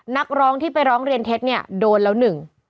นักร้องที่ไปร้องเรียนเท็จเนี่ยโดนแล้วหนึ่ง